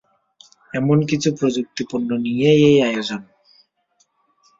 এমন কিছু প্রযুক্তিপণ্য নিয়েই এই আয়োজন।